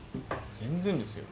全然ですよ。